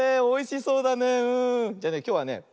おいしそうだね。